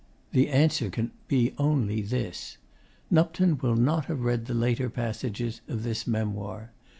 The answer can be only this: Nupton will not have read the later passages of this memoir.